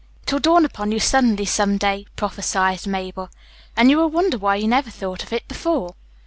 "It will dawn upon you suddenly some day," prophesied Mabel, "and you will wonder why you never thought of it before."